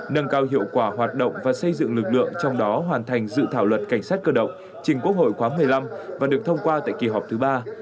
nâng cao hiệu quả hoạt động và xây dựng lực lượng trong đó hoàn thành dự thảo luật cảnh sát cơ động trình quốc hội khóa một mươi năm và được thông qua tại kỳ họp thứ ba